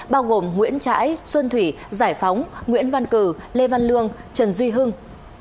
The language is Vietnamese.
bao gồm nguyễn trãi xuân thủy giải phóng nguyễn văn cử lê văn lương trần duy hưng